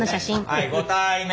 「はいご対面」。